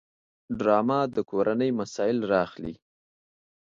ډرامه د کورنۍ مسایل راخلي